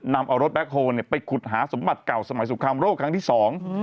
นำเอารถแบ็คโฮลไปขุดหาสมบัติเก่าสมัยสงครามโรคครั้งที่สอง